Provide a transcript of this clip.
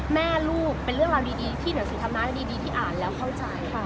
แม่ลูกเป็นเรื่องราวดีที่หนังสือทำน้าดีที่อ่านแล้วเข้าใจ